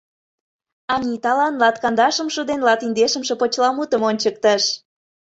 Аниталан латкандашымше ден латиндешымше почеламутым ончыктыш.